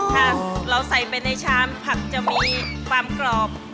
ค่ะเราใส่ไปในชามผักจะมีความกรอบ